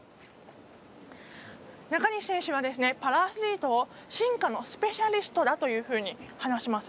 中西選手はパラアスリートを進化のスペシャリストだというふうに話します。